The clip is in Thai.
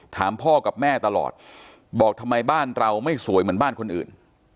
ถามพ่อกับแม่ตลอดบอกทำไมบ้านเราไม่สวยเหมือนบ้านคนอื่น